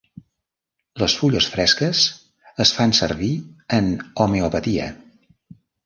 Les fulles fresques es fan servir en homeopatia.